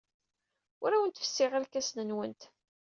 Ur awent-fessiɣ irkasen-nwent.